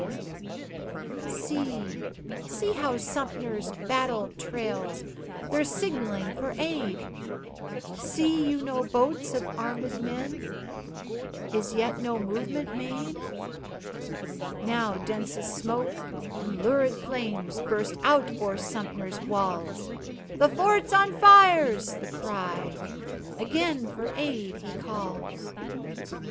See, see, how Sumter's banner trails, They're signaling for aid, See you no boats of armed men? Is yet no movement made? Now densest smoke and lurid flames Burst out o'er Sumter's walls; "The fort's on fire," 's the cry; Again for aid he calls.